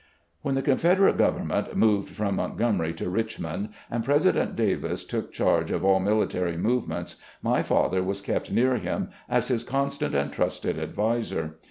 When the Confederate government moved from Mont gomery to Richmond, and President Davis took charge of all military movements, my father was kept near him as his constant and trusted adviser.